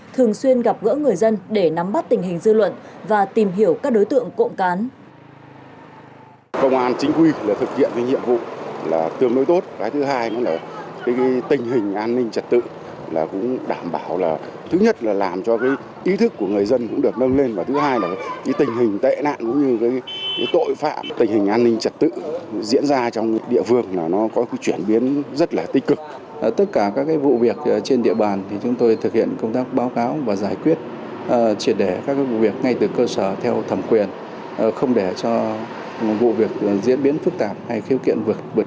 thường xuyên gặp gỡ người dân để nắm bắt tình hình dư luận và tìm hiểu các đối tượng cộng cán